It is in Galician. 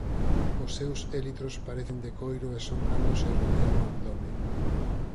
Os seus élitros parecen de coiro e son brandos e rodean o abdome.